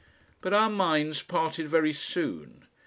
But our minds parted very soon.